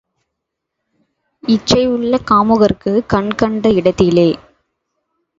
இச்சை உள்ள காமுகர்க்குக் கண் கண்ட இடத்திலே.